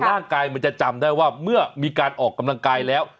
มันจะจำได้ว่าเมื่อมีการออกกำลังกายแล้ว